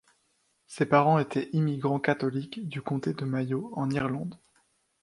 Ses parents étaient immigrants catholiques du Comté de Mayo en Irlande.